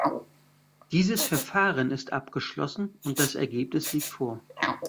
Dieses Verfahren ist abgeschlossen, und das Ergebnis liegt vor.